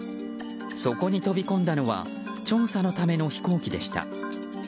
そこに飛び込んだのは調査のための飛行機でした。